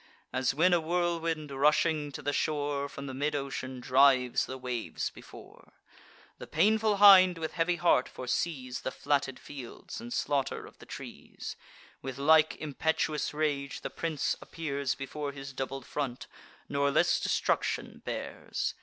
As when a whirlwind, rushing to the shore From the mid ocean, drives the waves before; The painful hind with heavy heart foresees The flatted fields, and slaughter of the trees; With like impetuous rage the prince appears Before his doubled front, nor less destruction bears.